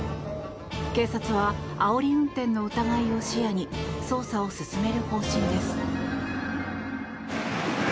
警察はあおり運転の疑いを視野に捜査を進める方針です。